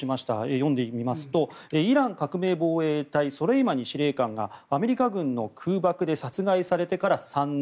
読んでみますとイラン革命防衛隊ソレイマニ司令官がアメリカ軍の空爆で殺害されてから３年。